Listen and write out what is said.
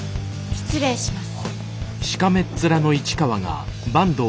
失礼します。